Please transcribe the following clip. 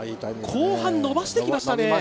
後半伸ばしてきましたね。